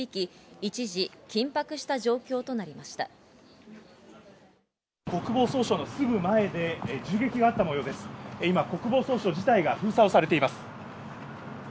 今、国防総省自体が封鎖されています。